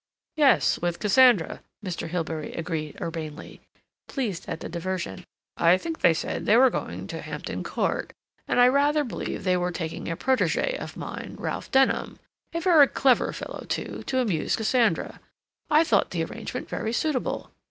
"Yes, with Cassandra," Mr. Hilbery agreed urbanely, pleased at the diversion. "I think they said they were going to Hampton Court, and I rather believe they were taking a protege of mine, Ralph Denham, a very clever fellow, too, to amuse Cassandra. I thought the arrangement very suitable."